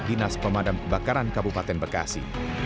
dinas pemadam kebakaran kabupaten bekasi